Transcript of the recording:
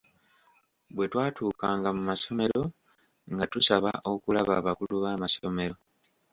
Bwe twatuukanga mu masomero nga tusaba okulaba abakulu b’amasomero.